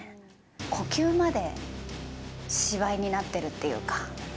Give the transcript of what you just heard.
呼吸まで芝居になってるっていうか。